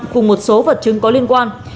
cùng một số vật chứng có liên quan